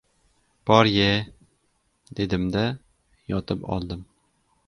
Bor-ye, dedim-da, yotib oldim.